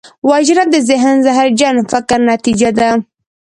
وژنه د ذهن زهرجن فکر نتیجه ده